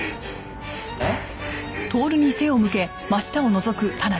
えっ？